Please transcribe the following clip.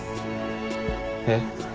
えっ？